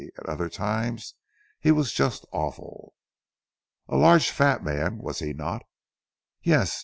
At other times he was just awful." "A large fat man was he not?" "Yes.